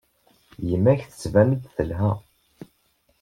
Yemma-k tettban-d telha.